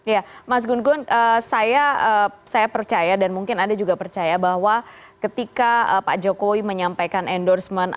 ya mas gun gun saya percaya dan mungkin anda juga percaya bahwa ketika pak jokowi menyampaikan endorsement